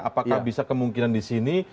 apakah bisa kemungkinan disini